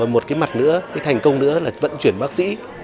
một cái mặt nữa cái thành công nữa là vận chuyển bác sĩ